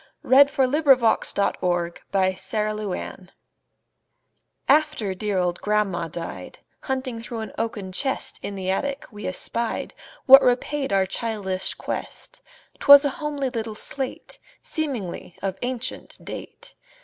Eugene Field Little Homer's Slate AFTER dear old grandma died, Hunting through an oaken chest In the attic, we espied What repaid our childish quest; 'Twas a homely little slate, Seemingly of ancient date.